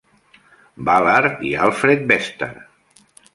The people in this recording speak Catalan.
Ballard i Alfred Bester.